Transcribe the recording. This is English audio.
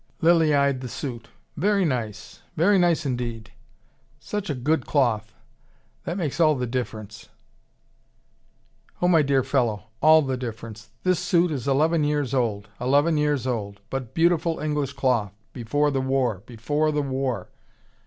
Lilly eyed the suit. "Very nice. Very nice indeed. Such a good cloth! That makes all the difference." "Oh, my dear fellow, all the difference! This suit is eleven years old eleven years old. But beautiful English cloth before the war, before the war!"